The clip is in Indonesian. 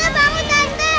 tante bangun tante